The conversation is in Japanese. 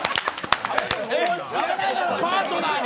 パートナーに！？